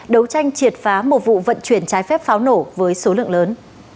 đấu tranh triệt phá một vụ vận chuyển trái phép pháo nổ với số lượng lớn